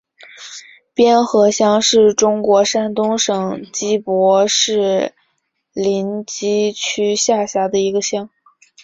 边河乡是中国山东省淄博市临淄区下辖的一个乡。